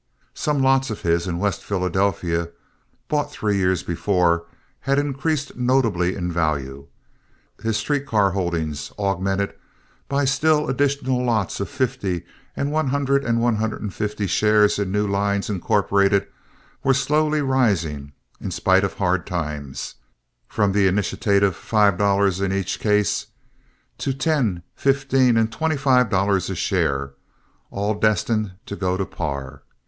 Some lots of his in West Philadelphia, bought three years before, had increased notably in value. His street car holdings, augmented by still additional lots of fifty and one hundred and one hundred and fifty shares in new lines incorporated, were slowly rising, in spite of hard times, from the initiative five dollars in each case to ten, fifteen, and twenty five dollars a share—all destined to go to par.